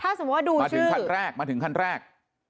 ถ้าสมมุติว่าดูมาถึงคันแรกมาถึงคันแรก